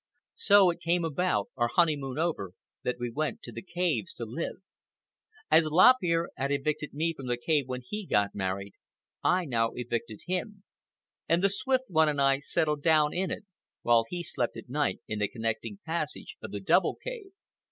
So it came about, our honeymoon over, that we went to the caves to live. As Lop Ear had evicted me from the cave when he got married, I now evicted him; and the Swift One and I settled down in it, while he slept at night in the connecting passage of the double cave.